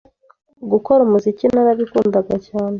Gukora umuziki narabikundaga cyane